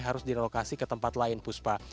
harus dilokasi ke tempat lain buspa